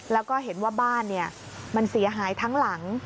แล้วก็เห็นว่าบ้านมันเสียหายทั้งหลัง